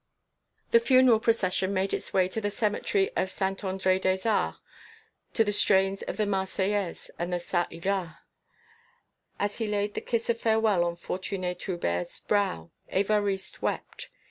The funeral procession made its way to the Cemetery of Saint André des Arts to the strains of the Marseillaise and the Ça ira. As he laid the kiss of farewell on Fortuné Trubert's brow, Évariste wept.